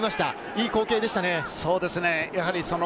いい光景でしたね。